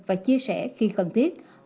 và chia sẻ khi cần thiết